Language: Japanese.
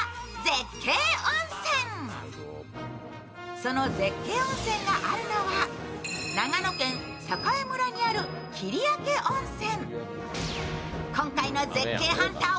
その絶景温泉があるのは、長野県栄村にある切明温泉。